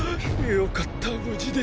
よかった無事で！！